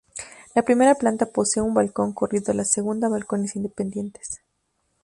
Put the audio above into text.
La primera planta posee un balcón corrido, la segunda balcones independientes.